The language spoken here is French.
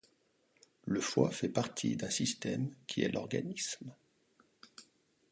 Le foie fait partie d'un système qui est l'organisme.